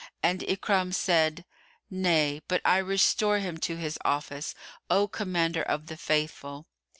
And Ikrimah said, "Nay, but I restore him to his office, O Commander of the Faithful."